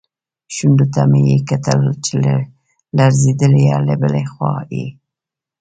شونډو ته مې یې کتل چې لړزېدلې، له بلې خوا یې.